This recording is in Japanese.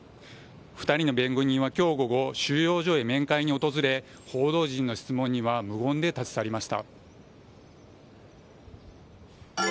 ２人の弁護人は今日午後、収容所へ面会に訪れ報道陣の質問には無言で立ち去りました。